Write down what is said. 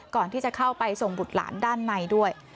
ก่อนที่จะเข้าไปส่งบุตรหลานด้านในด้วย